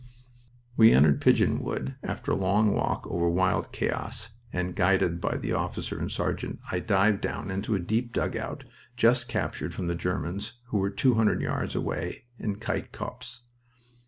We entered Pigeon Wood after a long walk over wild chaos, and, guided by the officer and sergeant, I dived down into a deep dugout just captured from the Germans, who were two hundred yards away in Kite Copse.